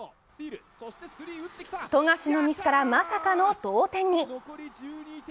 富樫のミスからまさかの同点に。